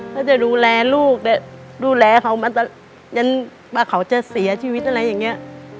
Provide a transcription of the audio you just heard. เขาจะดูแลลูกดูแลเขามาตลอดยังว่าเขาจะเสียชีวิตอะไรอย่างเงี้ย